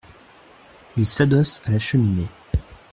Il s’adosse à la cheminée.